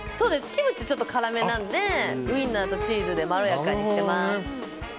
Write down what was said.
キムチ辛めなのでウインナーとチーズでまろやかにしています。